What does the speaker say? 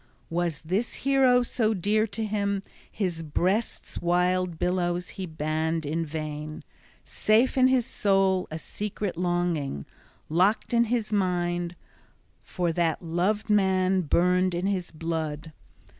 Was this hero so dear to him. his breast's wild billows he banned in vain; safe in his soul a secret longing, locked in his mind, for that loved man burned in his blood.